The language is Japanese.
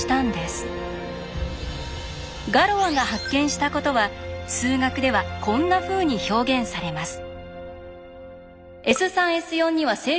ガロアが発見したことは数学ではこんなふうに表現されます。